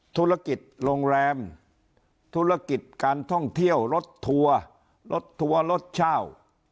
ธุรกิจโรงแรมธุรกิจการท่องเที่ยวรถทัวร์รถทัวร์รถเช่า